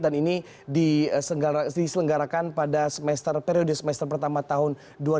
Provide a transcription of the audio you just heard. dan ini diselenggarakan pada semester periode semester pertama tahun dua ribu enam belas